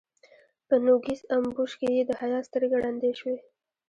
په نوږيز امبوش کې يې د حيا سترګې ړندې شوې.